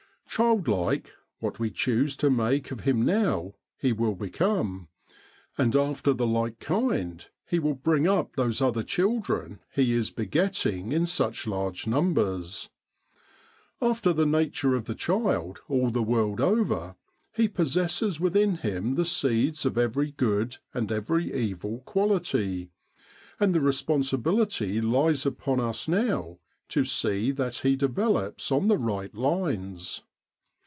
Childlike, what we choose to mae of him now, he will become; and after the like kind he will bring up those other children he is begetting in such large numbers. After the nature of the child all the world over, he possesses within him the seeds of every good and every evil quality ; and the respon sibility lies upon us now to see that he develops on the right lines.